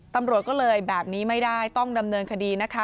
ตำรวจก็เลยแบบนี้ไม่ได้ต้องดำเนินคดีนะคะ